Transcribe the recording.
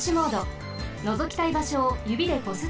のぞきたいばしょをゆびでこすってください。